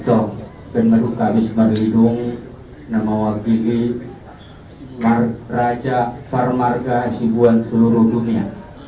acom peneruk abis merlidung nama wakili raja parmarga si buan seluruh dunia